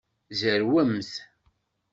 Zerwemt!